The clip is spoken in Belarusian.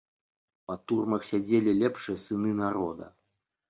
Па турмах сядзелі лепшыя сыны народа.